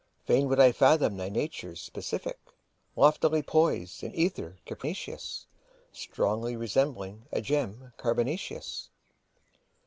Fain would I fathom thy nature's specific Loftily poised in ether capacious. Strongly resembling a gem carbonaceous.